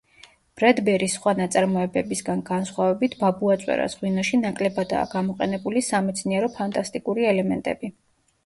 ბრედბერის სხვა ნაწარმოებებისგან განსხვავებით, „ბაბუაწვერას ღვინოში“ ნაკლებადაა გამოყენებული სამეცნიერო-ფანტასტიკური ელემენტები.